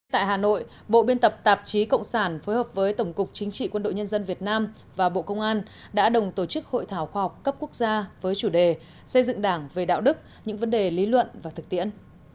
tại hà nội bộ biên tập tạp chí cộng sản phối hợp với tổng cục chính trị quân đội nhân dân việt nam và bộ công an đã đồng tổ chức hội thảo khoa học cấp quốc gia với chủ đề xây dựng đảng về đạo đức những vấn đề lý luận và thực tiễn